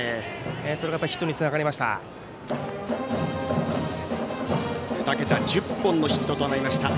それがヒットにつながりました。